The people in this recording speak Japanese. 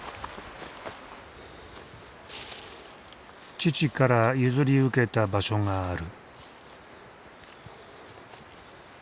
父から譲り受けた場所がある。